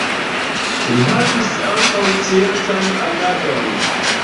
Li havis ankaŭ sciencan agadon.